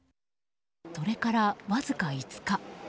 それからわずか５日。